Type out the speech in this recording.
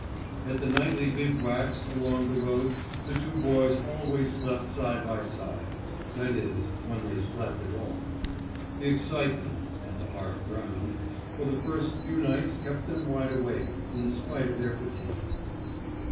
At the nightly bivouacs along the road the two boys always slept side by side; that is, when they slept at all. The excitement (and the hard ground) for the first few nights kept them wide awake, in spite of their fatigue.